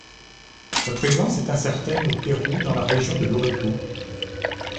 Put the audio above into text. Sa présence est incertaine au Pérou dans la région de Loreto.